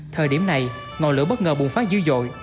thời điểm này ngọn lửa bất ngờ bùng phát dữ dội